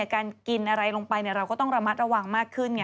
การกินอะไรลงไปเราก็ต้องระมัดระวังมากขึ้นไง